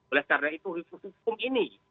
oleh karena itu hukum ini